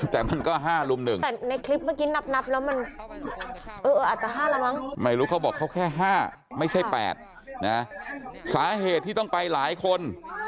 แต่มันก็๕รุม๑แต่ว่าเขาเขียว๕ไม่ใช่๘สาเหตุที่ต้องไปหลายคน